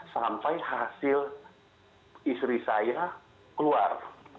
sampai hasil istri saya keluar